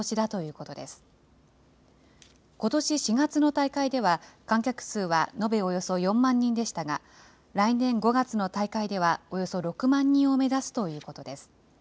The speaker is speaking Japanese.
ことし４月の大会では、観客数は延べおよそ４万人でしたが、来年５月の大会ではおよそ６万人を目指すということです。